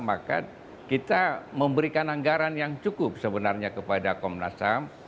maka kita memberikan anggaran yang cukup sebenarnya kepada komnas ham